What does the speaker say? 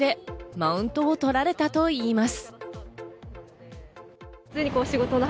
マウントを取られたといいます。